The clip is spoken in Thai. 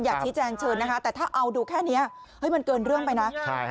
อยากชี้แจงเชิญนะคะแต่ถ้าเอาดูแค่นี้มันเกินเรื่องไปนะ